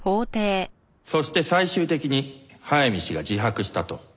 そして最終的に早見氏が自白したと？